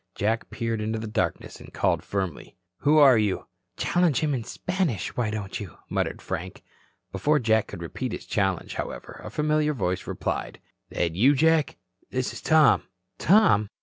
Jack peered into the darkness and called firmly: "Who are you?" "Challenge him in Spanish, why don't you?" muttered Frank. Before Jack could repeat his challenge, however, a familiar voice replied: "That you, Jack? This is Tom." "Tom?